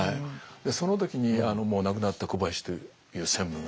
その時にもう亡くなった小林という専務が。